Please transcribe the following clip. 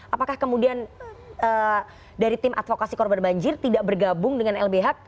apakah kemudian dari tim advokasi korban banjir tidak bergabung dengan lbh